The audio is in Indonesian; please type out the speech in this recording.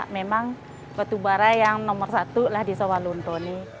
memang batubara yang nomor satu di sawalunto